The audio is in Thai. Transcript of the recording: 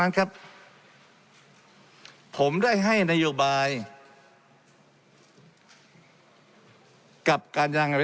และมีผลกระทบไปทุกสาขาอาชีพชาติ